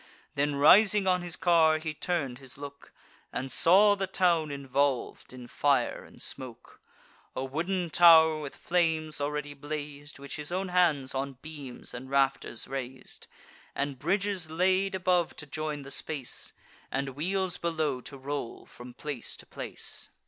Then, rising on his car, he turn'd his look, And saw the town involv'd in fire and smoke. A wooden tow'r with flames already blaz'd, Which his own hands on beams and rafters rais'd; And bridges laid above to join the space, And wheels below to roll from place to place.